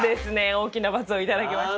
大きなバツを頂きました。